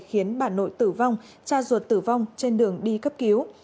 khiến bà nội tử vong cha ruột tử vong trên đường đi cấp cứu